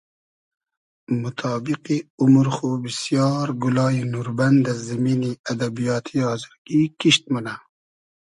موتابیقی اومر خو بیسیار گولایی نوربئن دۂ زیمینی ادبیاتی آزرگی کیشت مونۂ